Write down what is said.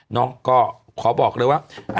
น้องก็ขอบอกเลยว่า